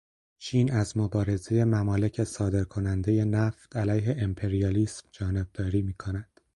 چین از مبارزهٔ ممالک صادر کننده نفت علیه امپریالیسم جانبداری میکند.